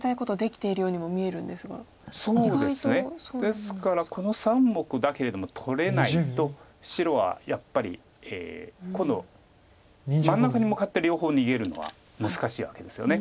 ですからこの３目だけでも取れないと白はやっぱり今度真ん中に向かって両方逃げるのは難しいわけですよね。